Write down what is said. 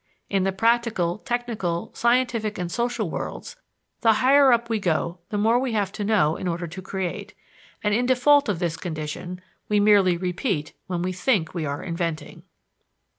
In the practical, technical, scientific and social worlds the higher up we go the more we have to know in order to create, and in default of this condition we merely repeat when we think we are inventing.